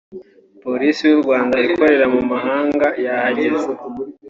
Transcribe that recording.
Polisi y’u Rwanda ikorera mu muhanda yahageze